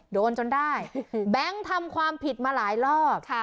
จนได้แบงค์ทำความผิดมาหลายรอบ